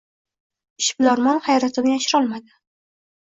Ishbilarmon hayratini yashirolmadi